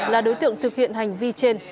là đối tượng thực hiện hành vi trên